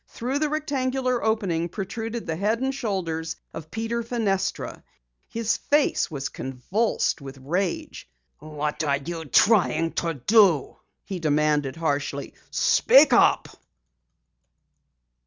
Through the rectangular opening protruded the head and shoulders of Peter Fenestra. His face was convulsed with rage. "What are you trying to do?" he demanded harshly. "Speak up!"